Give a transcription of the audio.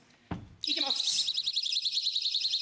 いきます。